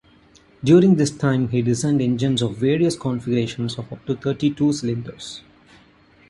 During this time, he designed engines of various configurations of up to thirty-two cylinders.